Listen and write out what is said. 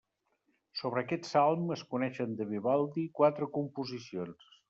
Sobre aquest salm es coneixen de Vivaldi quatre composicions.